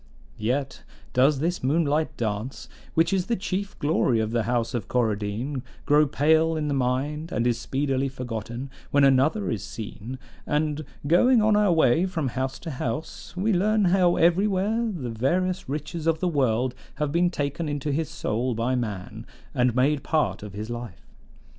"Yet does this moonlight dance, which is the chief glory of the House of Coradine, grow pale in the mind, and is speedily forgotten, when another is seen; and, going on our way from house to house, we learn how everywhere the various riches of the world have been taken into his soul by man, and made part of his life.